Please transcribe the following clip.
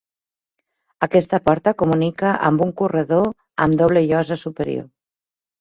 Aquesta porta comunica amb un corredor amb doble llosa superior.